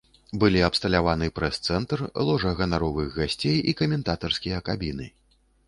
Былі абсталяваны прэс-цэнтр, ложа ганаровых гасцей і каментатарскія кабіны.